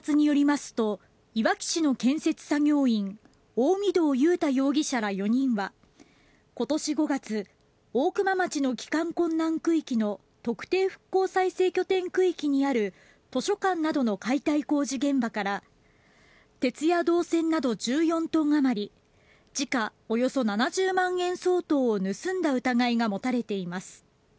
大御堂雄太容疑者ら４人は今年５月大熊町の帰還困難区域の特定復興再生拠点区域にある図書館などの解体工事現場から鉄や銅線など１４トンあまり時価およそ７０万円相当を盗んだ疑いが持たれています。